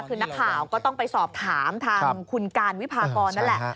คือนักข่าวก็ต้องไปสอบถามทางคุณการวิพากรนั่นแหละ